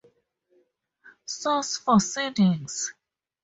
Source for seedings